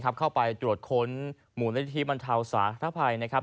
เข้าไปตรวจค้นหมู่ละที่บรรทาวสาธาราภัย